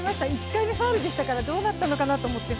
１回目、ファウルでしたからどうなったのかなと思って。